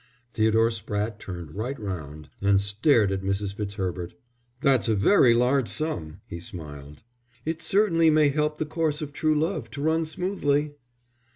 Theodore Spratte turned right round and stared at Mrs. Fitzherbert. "That's a very large sum," he smiled. "It certainly may help the course of true love to run smoothly."